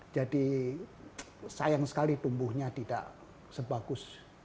jadi sayang sekali tumbuhnya tidak sebagus